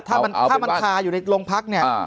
ถ้ามันคาอยู่ในโรงพักเนี่ย